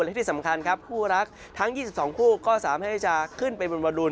และที่สำคัญครับคู่รักทั้ง๒๒คู่ก็สามารถที่จะขึ้นไปบนวรุน